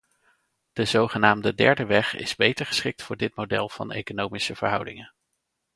De zogenaamde derde weg is beter geschikt voor dit model van economische verhoudingen.